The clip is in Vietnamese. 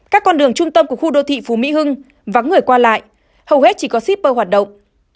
các con đường trung tâm của khu đô thị phú mỹ hưng vắng người qua lại hầu hết chỉ có shipper hoạt động